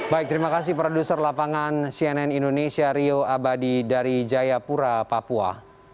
baik terima kasih produser lapangan cnn indonesia rio abadi dari jayapura papua